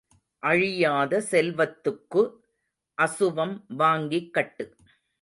அழியாத செல்வத்துக்கு அசுவம் வாங்கிக் கட்டு.